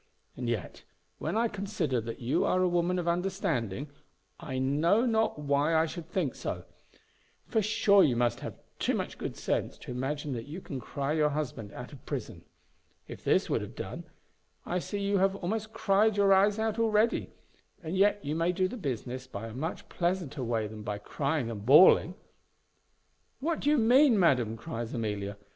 And yet, when I consider that you are a woman of understanding, I know not why I should think so; for sure you must have too much good sense to imagine that you can cry your husband out of prison. If this would have done, I see you have almost cried your eyes out already. And yet you may do the business by a much pleasanter way than by crying and bawling." "What do you mean, madam?" cries Amelia.